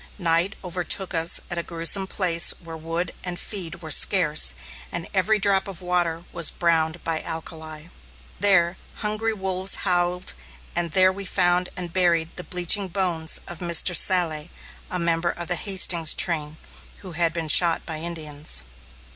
Night overtook us at a gruesome place where wood and feed were scarce and every drop of water was browned by alkali. There, hungry wolves howled, and there we found and buried the bleaching bones of Mr. Sallé, a member of the Hastings train, who had been shot by Indians.